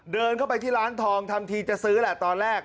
เดินเข้าไปที่ร้านทองทำทีจะซื้อแหละตอนแรก